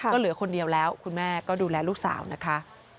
ก็เหลือคนเดียวแล้วคุณแม่ก็ดูแลลูกสาวนะคะ